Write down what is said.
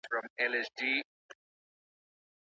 هغوی به د يو بل تائيد په خوښۍ سره وکړي.